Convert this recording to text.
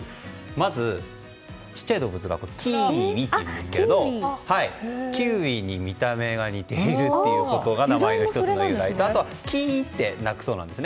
まず小さい動物がキーウィというんですがキウイに見た目が似ているのが名前の１つの由来であとはキーと鳴くそうです。